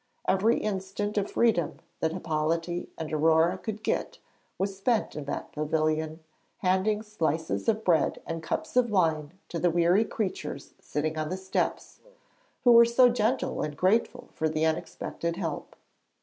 Every instant of freedom that Hippolyte and Aurore could get was spent in that pavilion, handing slices of bread and cups of wine to the weary creatures sitting on the steps, who were so gentle and grateful for the unexpected help.